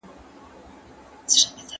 د ښځي دينداري ولي مهمه ده؟